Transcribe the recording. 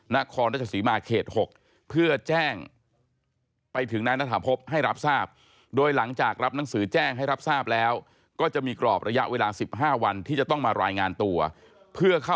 นครรัชศรีมาร์เขต๖